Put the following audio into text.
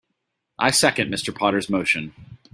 I second Mr. Potter's motion.